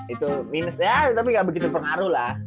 itu minus ya tapi nggak begitu pengaruh lah